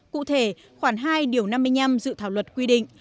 cụ thể khoảng hai năm mươi năm dự thảo luật quy định